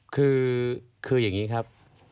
คืออย่างนี้ครับ